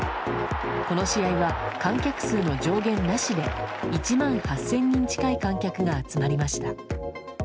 この試合は観客数の上限なしで１万８０００人近い観客が集まりました。